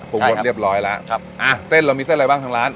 ปรุงรสเรียบร้อยแล้วครับอ่าเส้นเรามีเส้นอะไรบ้างทางร้าน